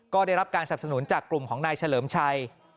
ก็ได้รับการสนับสนุนจากกลุ่มของนายเฉลิมชัย